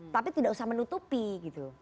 tapi tidak usah menutupi gitu